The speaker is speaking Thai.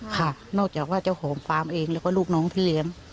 ค่ะนอกจากว่าเจ้าของฟาร์มเองแล้วก็ลูกน้องพี่เลี้ยง